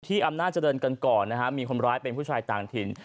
ที่อำนาจรรย์กันก่อนมีคนร้ายเป็นผู้ชายต่างถิ่น